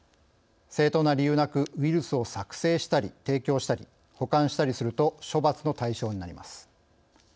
正当な理由なくウイルスを作成したり提供したり、保管したりすると処罰の対象になります。